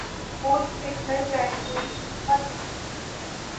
بوجھ سے گر جائے کوئی حکمت عملی نہیں